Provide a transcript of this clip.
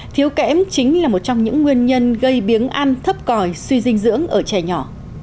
thiếu kẽm chính là một trong những nguyên nhân gây biếng ăn thấp còi suy dinh dưỡng ở trẻ nhỏ